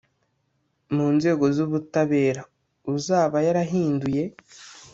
mu nzego z ubutabera uzaba yarahinduye